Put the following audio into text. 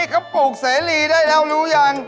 นี่เขาปลูกเสลีได้แล้วรู้หรือไง